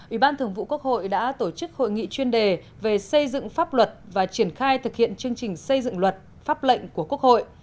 ủy ban thường vụ quốc hội đã tổ chức hội nghị chuyên đề về xây dựng pháp luật và triển khai thực hiện chương trình xây dựng luật pháp lệnh của quốc hội